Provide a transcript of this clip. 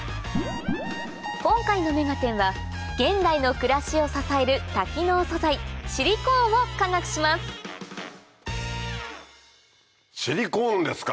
今回の『目がテン！』は現代の暮らしを支える多機能素材シリコーンを科学しますシリコーンですか。